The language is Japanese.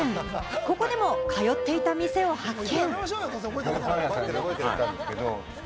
ここでも通っていた店を発見。